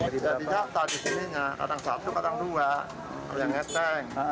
jadi data disininya kadang satu kadang dua ada yang ngeteng